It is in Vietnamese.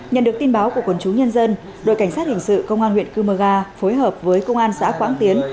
nhận được tin báo của quần chúng nhân dân đội cảnh sát hình sự công an huyện cư mơ ga phối hợp với công an xã quảng tiến